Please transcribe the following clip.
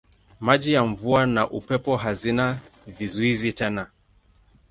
Maji ya mvua na upepo hazina vizuizi tena.